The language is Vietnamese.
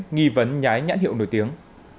nghi vấn nhái nhãn hiệu nổi tiếng